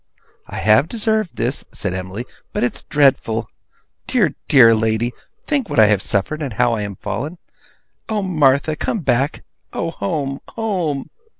'I have deserved this,' said Emily, 'but it's dreadful! Dear, dear lady, think what I have suffered, and how I am fallen! Oh, Martha, come back! Oh, home, home!